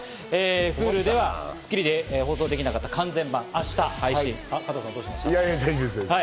Ｈｕｌｕでは『スッキリ』で放送しきれなかった完全版、明日配信されます。